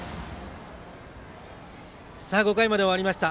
５回まで終わりました。